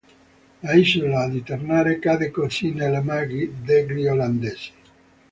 L'isola di Ternate cadde così nelle mani degli olandesi.